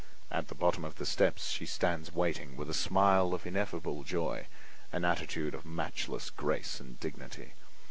At the bottom of the steps she stands waiting, with a smile of ineffable joy, an attitude of matchless grace and dignity.